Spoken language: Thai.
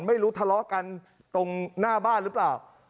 ไม่รู้ทะเลาะกันตรงหน้าบ้านหรือเปล่า